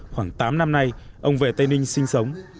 khoảng tám năm nay ông về tây ninh sinh sống